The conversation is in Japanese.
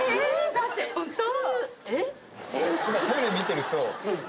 だって普通。